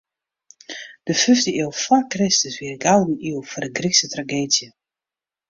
De fiifde iuw foar Kristus wie de gouden iuw foar de Grykske trageedzje.